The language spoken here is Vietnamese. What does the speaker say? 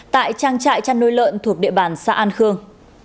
tại trang trại chăn nuôi lợn thuộc địa bàn xã an khương